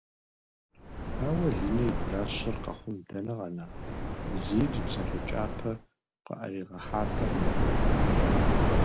Ауэ Линэ и гуращэр къэхъун дэнэ къэна, Назир и псалъэ кӏапэ къыӏэригъэхьатэкъым абы.